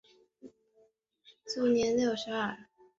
卒年六十二。